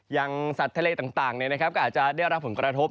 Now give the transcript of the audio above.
สัตว์ทะเลต่างก็อาจจะได้รับผลกระทบ